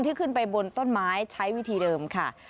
ที่ขึ้นไปบนต้นไม้ใช้วิธีเดิมค่ะ